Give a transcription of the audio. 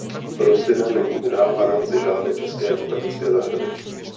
Rostlina není udávána ze žádné české botanické zahrady.